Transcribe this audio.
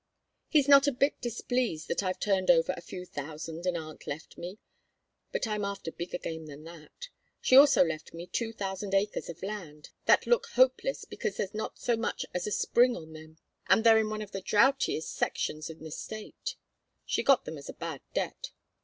He's not a bit displeased that I've turned over a few thousands an aunt left me. But I'm after bigger game than that. She also left me two thousand acres of land, that look hopeless because there's not so much as a spring on them, and they're in one of the droughtiest sections in the State she got them as a bad debt.